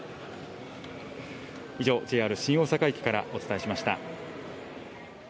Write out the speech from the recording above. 以上、ＪＲ新大阪駅からお伝えしました。